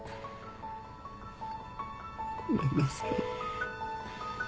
ごめんなさい。